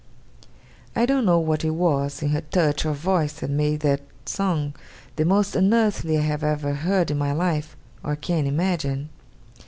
I don't know what it was, in her touch or voice, that made that song the most unearthly I have ever heard in my life, or can imagine.